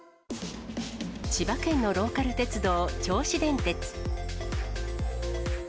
千葉県のローカル鉄道、銚子電鉄。